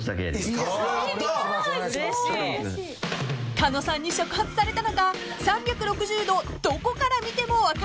［狩野さんに触発されたのか３６０度どこから見ても分からない